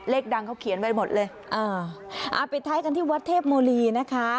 ดังเขาเขียนไว้หมดเลยอ่าอ่าปิดท้ายกันที่วัดเทพโมลีนะคะ